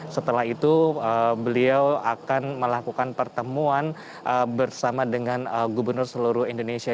setelah itu beliau akan melakukan pertemuan bersama dengan gubernur seluruh indonesia